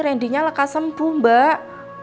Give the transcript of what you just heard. randy nya leka sembuh mbak